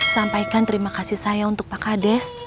sampaikan terima kasih saya untuk pak kades